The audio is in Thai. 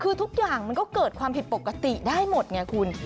คือทุกอย่างมันก็เกิดความผิดปกติได้หมดไงคุณ